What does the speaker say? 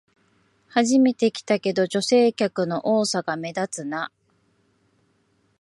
初めて来たけど、女性客の多さが目立つな